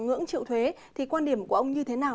ngưỡng chịu thuế thì quan điểm của ông như thế nào